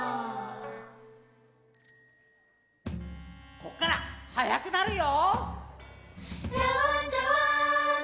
こっからはやくなるよ！